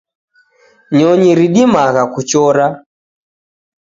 Nyonyi ridimagha kuchora.